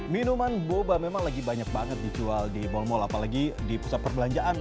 minuman boba memang lagi banyak banget dijual di mal mal apalagi di pusat perbelanjaan